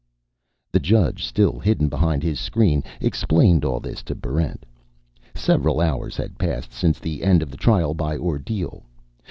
The judge, still hidden behind his screen, explained all this to Barrent. Several hours had passed since the end of the Trial by Ordeal.